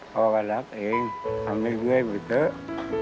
พ่อก็รักเองทำให้เพื่อนไปเถอะ